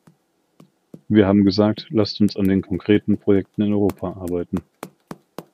Wir haben gesagt, lasst uns an den konkreten Projekten in Europa arbeiten.